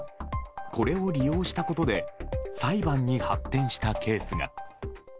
これを利用したことで裁判に発展したケースが。